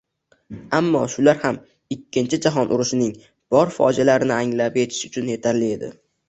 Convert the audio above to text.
Ammo shular ham Ikkinchi jahon urushining bor fojialarini anglab etish uchun etarli edi